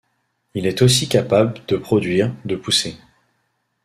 Il est aussi capable de produire de poussée.